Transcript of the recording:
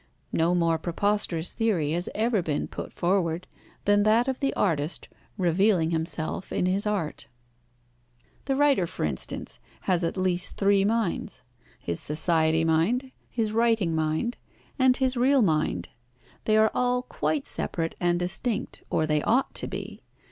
No more preposterous theory has ever been put forward than that of the artist revealing himself in his art. The writer, for instance, has at least three minds his Society mind, his writing mind, and his real mind. They are all quite separate and distinct, or they ought to be.